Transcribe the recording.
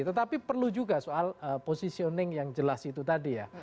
tetapi perlu juga soal positioning yang jelas itu tadi ya